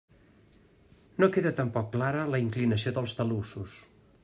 No queda tampoc clara la inclinació dels talussos.